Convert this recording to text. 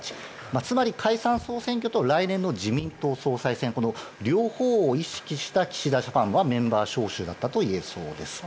つまり、解散・総選挙と来年の自民党総裁選この両方を意識した岸田ジャパンのメンバー招集だったといえそうです。